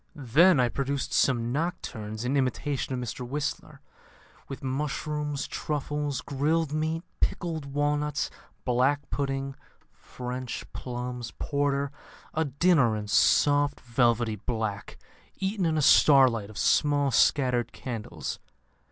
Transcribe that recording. "Then I produced some Nocturnes in imitation of Mr Whistler, with mushrooms, truffles, grilled meat, pickled walnuts, black pudding, French plums, porter a dinner in soft velvety black, eaten in a starlight of small scattered candles.